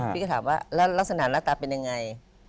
พี่ก็ถามว่าแล้วลักษณะหน้าตาเป็นยังไง